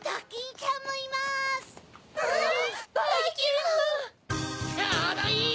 ちょうどいい！